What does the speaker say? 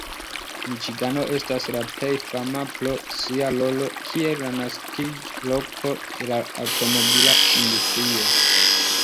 Miĉigano estas plej fama pro sia rolo kiel la naskiĝloko de la aŭtomobila industrio.